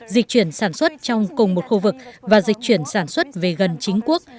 dịch chuyển sản xuất trong cùng một khu vực và dịch chuyển sản xuất về gần chính quốc